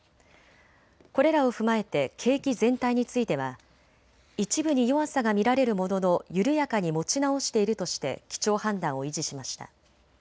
これらを踏まえて景気全体については一部に弱さが見られるものの緩やかに持ち直しているとして基調判断を維持しました。